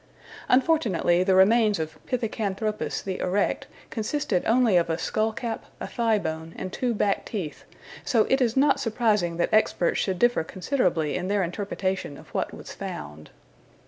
Unfortunately the remains of Pithecanthropus the Erect consisted only of a skull cap, a thigh bone, and two back teeth, so it is not surprising that experts should differ considerably in their interpretation of what was found.